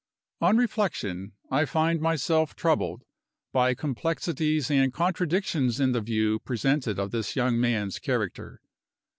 On reflection, I find myself troubled by complexities and contradictions in the view presented of this young man's character.